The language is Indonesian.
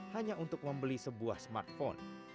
hanya untuk membeli sebuah smartphone